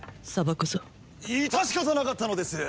致し方なかったのです！